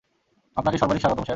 আপনাকে সর্বাধিক স্বাগতম, স্যার।